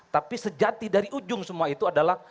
tapi sejati dari ujung semua itu adalah